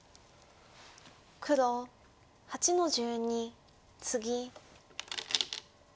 黒８の十二ツギ。